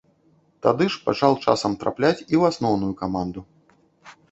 Тады ж пачаў часам трапляць і ў асноўную каманду.